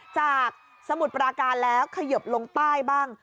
จากสมุดประการแล้วขยบลงใต้บ้าง